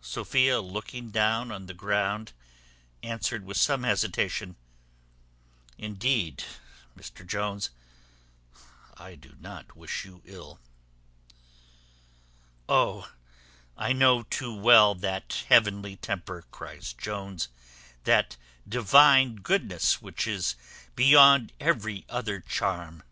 Sophia, looking down on the ground, answered with some hesitation, "Indeed, Mr Jones, I do not wish you ill." "Oh, I know too well that heavenly temper," cries Jones, "that divine goodness, which is beyond every other charm."